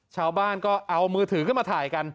ชาวบ้านก็เอามือถือขึ้นมาถ่ายกัน